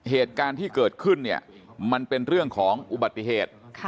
เหตุการณ์ที่เกิดขึ้นเนี่ยมันเป็นเรื่องของอุบัติเหตุ